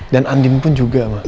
dan andin pun juga mak